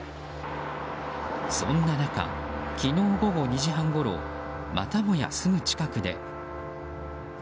そんな中、昨日午後２時半ごろまたもや、すぐ近くで。